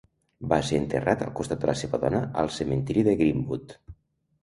Va ser enterrat al costat de la seva dona al cementiri de Greenwood.